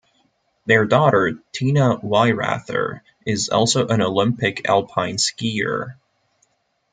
Their daughter Tina Weirather is also an Olympic alpine skier.